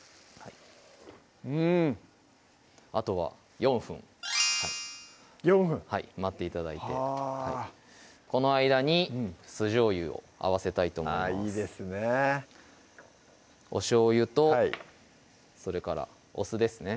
うんあとは４分４分はい待って頂いてこの間に酢じょうゆを合わせたいと思いますいいですねおしょうゆとそれからお酢ですね